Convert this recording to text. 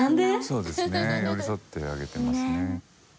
そうですね寄り添ってあげてますね。